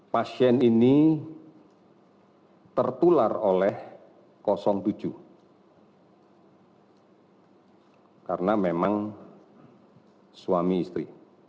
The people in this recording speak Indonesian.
pasien ini tertular oleh tujuh karena memang suami istri